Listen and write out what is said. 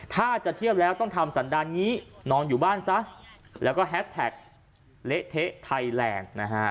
ถ้าจะเที่ยวแล้วต้องทำสันดาลนี้นอนอยู่บ้านซะแล้วก็แฮสแท็กเละเทะไทยแลนด์นะฮะ